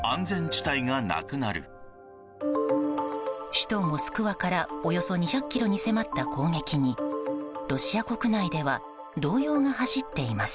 首都モスクワからおよそ２００ｋｍに迫った攻撃にロシア国内では動揺が走っています。